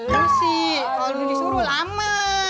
lu sih kalo lu disuruh lama